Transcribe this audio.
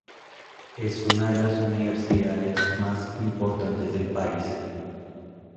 Es una de las universidades más importantes del país.